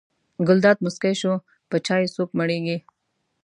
ګلداد موسکی شو: په چایو څوک مړېږي.